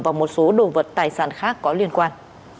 và một số đồ vật tài sản khác có liên quan